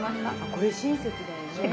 これ親切だよね。